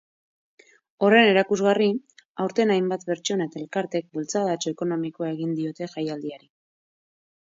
Horren erakusgarri, aurten hainbat pertsona eta elkartek bultzadatxo ekonomikoa egin diote jaialdiari.